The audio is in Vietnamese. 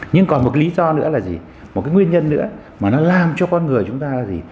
nhưng còn một lý do nữa là gì một cái nguyên nhân nữa mà nó làm cho con người chúng ta là gì